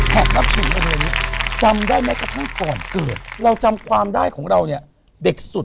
แผดรักชุดตรงนี้จำได้ไหมกระทั่งก่อนเกิดเราจำความได้ของเรานี่เด็กสุด